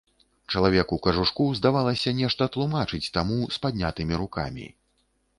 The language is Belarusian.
Чалавек у кажушку, здавалася, нешта тлумачыць таму, з паднятымі рукамі.